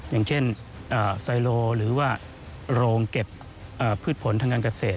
อย่างเช่นไซโลหรือว่าโรงเก็บพืชผลทางการเกษตร